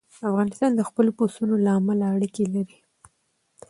افغانستان د خپلو پسونو له امله اړیکې لري.